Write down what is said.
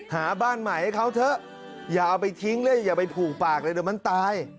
หาบ้านใหม่ให้เขาเถอะอย่าเอาไปทิ้งเลยอย่าไปผูกปากเลยเดี๋ยวมันตาย